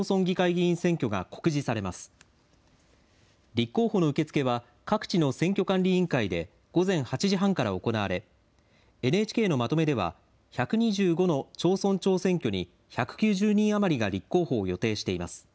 立候補の受け付けは、各地の選挙管理委員会で午前８時半から行われ、ＮＨＫのまとめでは、１２５の町村長選挙に１９０人余りが立候補を予定しています。